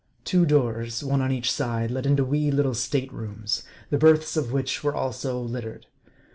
Two doors, one on each side, led into wee little state rooms, the berths of which also were littered.